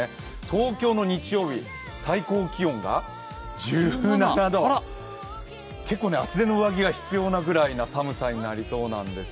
東京の日曜日、最高気温が１７度、結構、厚手の上着が必要になるぐらいの寒さになりそうです。